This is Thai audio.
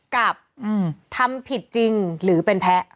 กับทำผิดจริงหรือเป็นแพ้